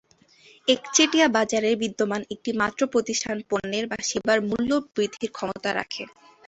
একচেটিয়া বাজারের বিদ্যমান একটি মাত্র প্রতিষ্ঠান পণ্যের বা সেবার মূল্য বৃদ্ধির ক্ষমতা রাখে।